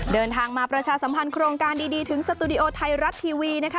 เดินทางมาประชาสัมพันธ์โครงการดีถึงสตูดิโอไทยรัฐทีวีนะคะ